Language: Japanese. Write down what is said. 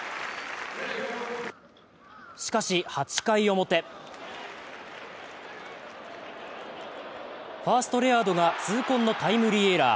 しかし８回表、ファースト、レアードが痛恨のタイムリーエラー。